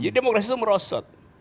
jadi demokrasi itu merosot